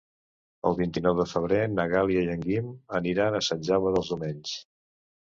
El vint-i-nou de febrer na Gal·la i en Guim aniran a Sant Jaume dels Domenys.